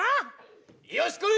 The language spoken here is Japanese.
よし来い！